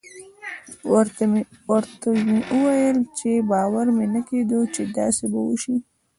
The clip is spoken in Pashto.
ورته ومې ويل چې باور مې نه کېده چې داسې به وسي.